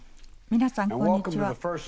皆さん、こんにちは。